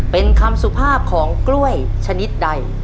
เป็นคำสุภาพของกล้วยชนิดใด